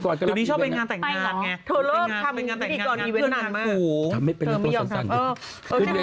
เขาบอกกูไม่เอาเล่นตัวอีกนะ